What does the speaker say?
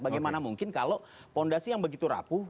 bagaimana mungkin kalau fondasi yang begitu rapuh